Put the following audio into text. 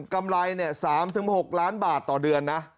กำไร๓๖ล้านบาทต่อเดือนนะ